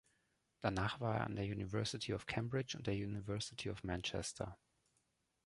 Danach war er an der University of Cambridge und der University of Manchester.